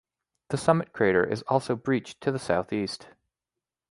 The summit crater is also breached to the southeast.